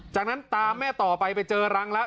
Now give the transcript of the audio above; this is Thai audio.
จากนั้นตามแม่ต่อไปไปเจอรังแล้ว